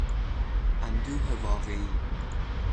اندوه واقعی